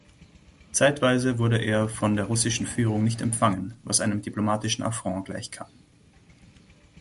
Zeitweise wurde er von der russischen Führung nicht empfangen, was einem diplomatischen Affront gleichkam.